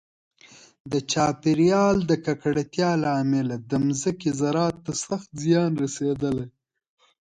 د چاپیریال د ککړتیا له امله د ځمکې زراعت ته سخت زیان رسېدلی.